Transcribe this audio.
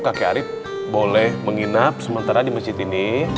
kakek arief boleh menginap sementara di masjid ini